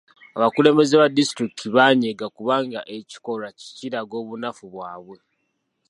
Abakulembeze ba disitulikiti baanyiiga kubanga ekikolwa kiraga obunafu bwabwe.